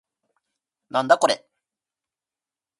なんだこれ